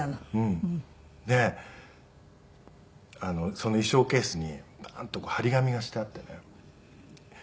その衣装ケースにバーンと貼り紙がしてあってね。